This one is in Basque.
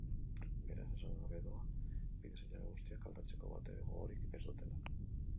Beraz, esan gabe doa bide-seinale guztiak aldatzeko batere gogorik ez dutela.